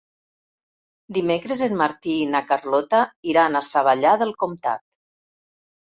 Dimecres en Martí i na Carlota iran a Savallà del Comtat.